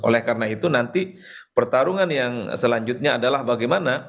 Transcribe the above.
oleh karena itu nanti pertarungan yang selanjutnya adalah bagaimana